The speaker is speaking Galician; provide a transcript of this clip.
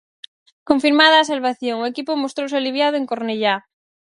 Confirmada a salvación, o equipo mostrouse aliviado en Cornellá.